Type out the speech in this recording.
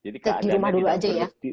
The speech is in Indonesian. di rumah dulu aja ya